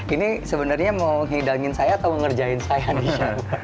ini sebenarnya mau hidangin saya atau mengerjain saya andrian